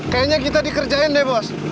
kayaknya kita dikerjain deh bos